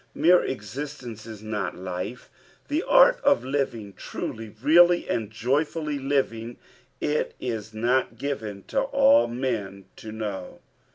Here existence is not life ; the art of living, truly, really, and joyfully living, it is not given to all men to know.